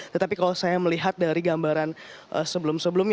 tetapi kalau saya melihat dari gambaran sebelum sebelumnya